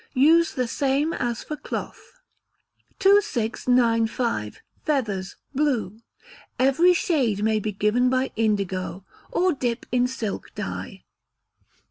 Use the same as for cloth. 2695. Feathers (Blue). Every shade may be given by indigo or dip in silk dye.